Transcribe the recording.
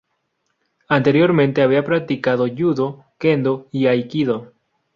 Anteriormente había practicado Judo, Kendo y Aikido.